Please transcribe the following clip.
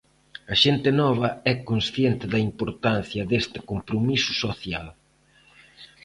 A xente nova é consciente da importancia deste compromiso social.